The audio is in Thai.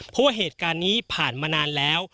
เพราะว่าเหตุการณ์นี้ผ่านมานานแล้ว